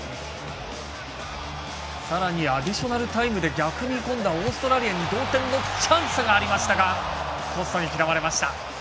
さらにアディショナルタイムで逆にオーストラリアに同点のチャンスがありましたがポストに嫌われました。